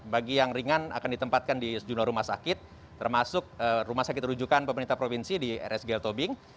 bagi yang ringan akan ditempatkan di sejumlah rumah sakit termasuk rumah sakit rujukan pemerintah provinsi di rsgl tobing